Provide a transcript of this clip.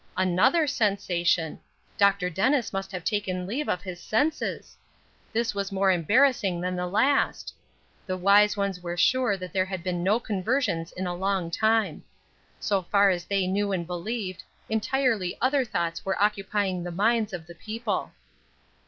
Another sensation! Dr. Dennis must have taken leave of his senses! This was more embarrassing than the last. The wise ones were sure that there had been no conversions in a long time. So far as they knew and believed, entirely other thoughts were occupying the minds of the people.